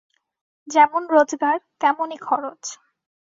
যেমন রোজগার, তেমনই খরচ।